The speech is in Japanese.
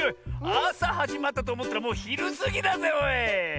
あさはじまったとおもったらもうひるすぎだぜおい！